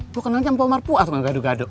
gue kenalnya yang pomar puas gak gadu gado